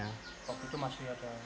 waktu itu masih ada